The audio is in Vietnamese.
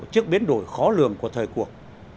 trước biến đổi khó lường của thời cuộc